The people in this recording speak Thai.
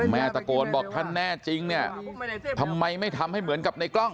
แม่ตะโกนบอกถ้าแน่จริงเนี่ยทำไมไม่ทำให้เหมือนกับในกล้อง